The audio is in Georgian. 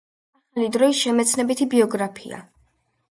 ახალი დროის შემეცნებითი ბიოგრაფია